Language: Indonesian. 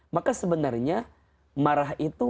maka sebenarnya marah itu